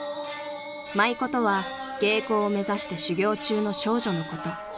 ［舞妓とは芸妓を目指して修業中の少女のこと］